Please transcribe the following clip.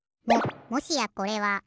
ももしやこれは。